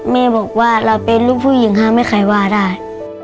แม่บอกว่าเราเป็นลูกผู้หญิงห้ามให้ใครว่าได้